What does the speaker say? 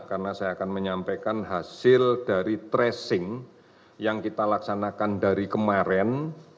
karena saya akan menyampaikan hasil dari tracing yang kita laksanakan dari kemarin